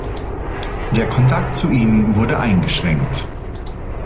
Der Kontakt zu ihnen wurde eingeschränkt.